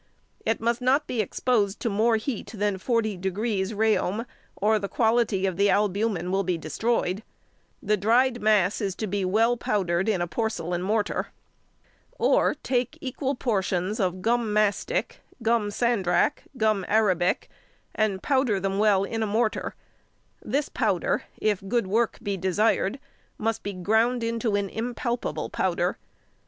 It must not be exposed to more heat than 40° Reaum., or the quality of the albumen will be destroyed. The dried mass is to be well powdered in a porcelain mortar. Or, take equal portions of gum mastic, gum sandrac, gum arabic, and powder them well in a mortar. This powder, if good work be desired, must be ground into an impalpable powder.